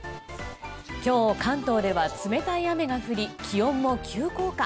今日関東では冷たい雨が降り気温も急降下。